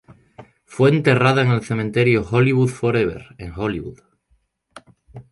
Fue enterrada en el Cementerio Hollywood Forever, en Hollywood.